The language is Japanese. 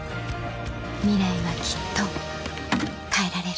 ミライはきっと変えられる